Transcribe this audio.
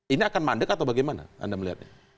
ini akan mandek atau bagaimana anda melihatnya